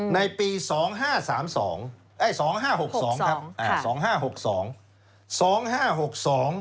ในปี๒๕๓๒เอ้ย๒๕๖๒ครับ๒๕๖๒